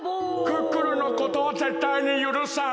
クックルンのことはぜったいにゆるさん！